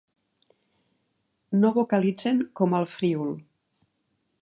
No vocalitzen com al Friül.